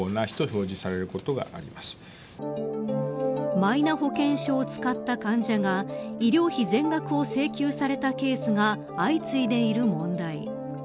マイナ保険証を使った患者が医療費全額を請求されたケースが相次いでいる問題。